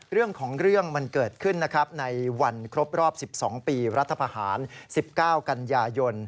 เรื่องของเรื่องมันเกิดขึ้นนะครับในวันครบรอบ๑๒ปีรัฐพาหาร๑๙กันยายน